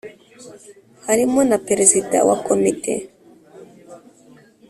harimo na Perezida wa Komite